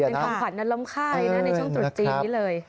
เป็นของขวัญน้ำล้มไข้ในช่วงตรุษจีนนี้เลย